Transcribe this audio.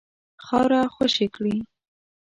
خاوره خوشي کړي.